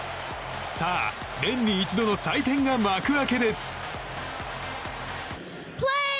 さあ、年に一度の祭典が幕開けです。